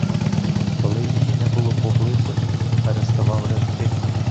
Коли її не було поблизу, переставав ревти.